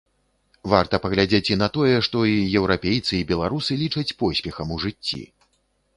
Варта паглядзець і на тое, што і еўрапейцы, і беларусы лічаць поспехам у жыцці.